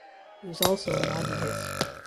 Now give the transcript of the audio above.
He was also an Adventist.